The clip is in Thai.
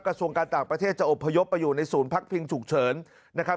กระทรวงการต่างประเทศจะอบพยพไปอยู่ในศูนย์พักพิงฉุกเฉินนะครับ